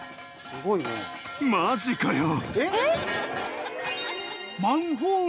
マジかよ！？